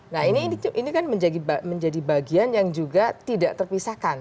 nah ini kan menjadi bagian yang juga tidak terpisahkan